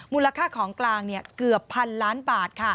มูลค่าของกลางเกือบพันล้านบาท